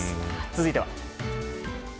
続いては。